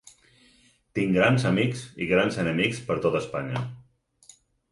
Tinc grans amics i grans enemics per tot Espanya.